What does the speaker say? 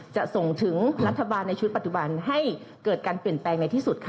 จะส่งถึงรัฐบาลในชุดปัจจุบันให้เกิดการเปลี่ยนแปลงในที่สุดค่ะ